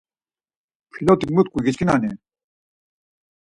Pilot̆ik mu tku, giçkinani?